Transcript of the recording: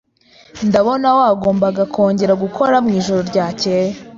Ndabona wagombaga kongera gukora mwijoro ryakeye.